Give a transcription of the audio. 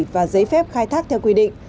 và giấy phép khai thác theo quy định